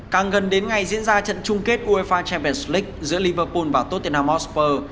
càng gần đến ngày diễn ra trận chung kết uefa champions league giữa liverpool và tottenham hotspur